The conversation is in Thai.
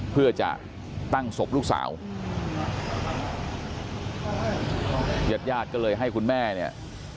เพื่อจะตั้งศพลูกสาวญาติญาติก็เลยให้คุณแม่เนี่ย